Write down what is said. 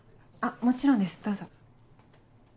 もちろんですどうぞ。